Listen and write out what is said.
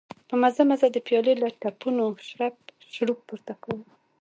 په مزه مزه د پيالې له تپونو شړپ شړوپ پورته کاوه.